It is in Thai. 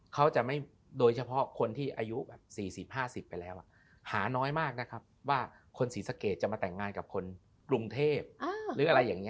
เขาจะไม่โดยเฉพาะคนที่อายุแบบ๔๐๕๐ไปแล้วหาน้อยมากนะครับว่าคนศรีสะเกดจะมาแต่งงานกับคนกรุงเทพหรืออะไรอย่างนี้